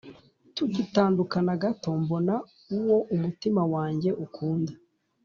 Tugitandukana gato Mbona uwo umutima wanjye ukunda